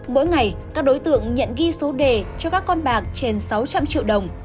mỗi ngày các đối tượng nhận ghi số đề cho các con bạc trên sáu trăm linh triệu đồng